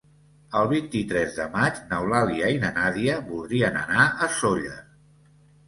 El vint-i-tres de maig n'Eulàlia i na Nàdia voldrien anar a Sóller.